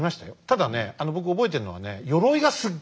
ただね僕覚えてるのはね